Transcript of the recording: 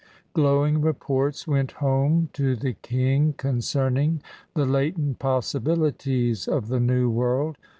Glowing reports went home to the King concern ing the latent possibilities of the New World.